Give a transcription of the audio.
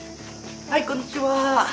はいこんにちは！